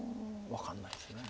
分かんないですけど。